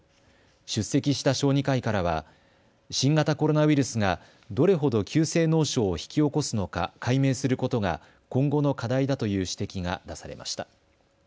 出席した小児科医からは新型コロナウイルスがどれほど急性脳症を引き起こすのか解明することが今後の課題だという指摘が出されました。